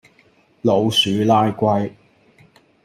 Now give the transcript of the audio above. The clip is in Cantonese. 老鼠拉龜